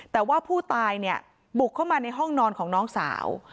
แต่ว่าผู้ตายเนี่ยบุกเข้ามาในห้องนอนของน้องสาว